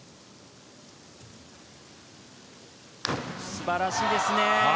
素晴らしいですね。